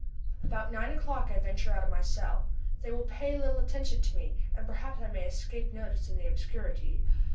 About nine o'clock I venture out of my cell. They will pay little attention to me, and perhaps I may escape notice in the obscurity.